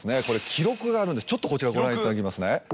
記録があるんでちょっとこちらをご覧いただきますね。